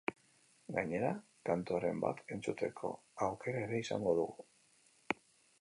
Gainera, kanturen bat entzuteko aukera ere izango dugu.